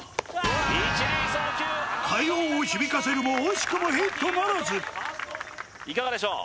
一塁送球快音を響かせるも惜しくもヒットならずいかがでしょう？